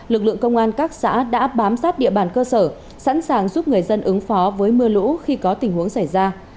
lực lượng công an các xã đã bám sát địa bàn cơ sở sẵn sàng giúp người dân ứng phó với mưa lũ khi có tình huống xảy ra